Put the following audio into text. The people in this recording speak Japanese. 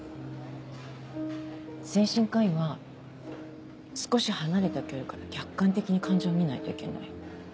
精神科医は少し離れた距離から客観的に感情を見ないといけない。